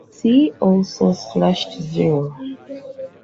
See also slashed zero.